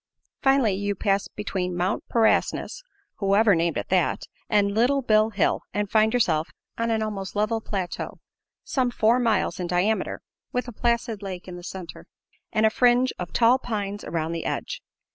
Finally you pass between Mount Parnassus (whoever named it that?) and Little Bill Hill and find yourself on an almost level plateau some four miles in diameter, with a placid lake in the center and a fringe of tall pines around the edge.